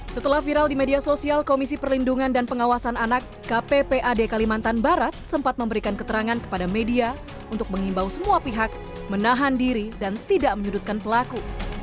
setelah viral di media sosial komisi perlindungan dan pengawasan anak kppad kalimantan barat sempat memberikan keterangan kepada media untuk mengimbau semua pihak menahan diri dan tidak menyudutkan pelaku